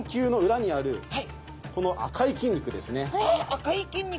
赤い筋肉。